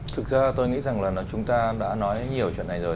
thực ra tôi nghĩ rằng là chúng ta đã nói nhiều chuyện này rồi